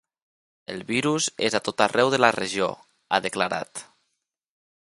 El virus és a tot arreu de la regió, ha declarat.